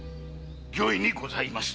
御意にございます。